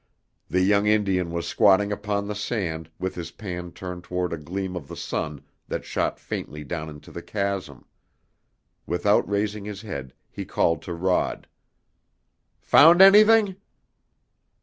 The young Indian was squatting upon the sand, with his pan turned toward a gleam of the sun that shot faintly down into the chasm. Without raising his head he called to Rod. "Found anything?"